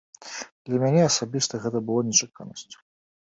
Для мяне асабіста гэта было нечаканасцю.